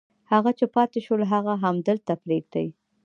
هغه چې پاتې شول هغه همدلته پرېږدي.